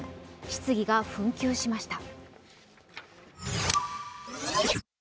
質疑が紛糾しました。